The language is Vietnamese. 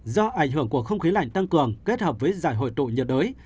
do ảnh hưởng của không khí lạnh tăng cường kết hợp với giải hội tụ nhiệt đới